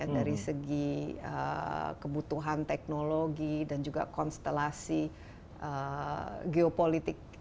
dari segi kebutuhan teknologi dan juga konstelasi geopolitik